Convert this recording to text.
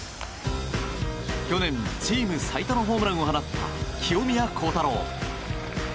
去年、チーム最多のホームランを放った清宮幸太郎。